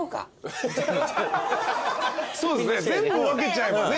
そうですね全部分けちゃえばね。